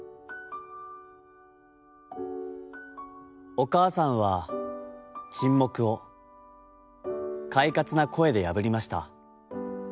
「おかあさんは沈黙を、快活な声でやぶりました。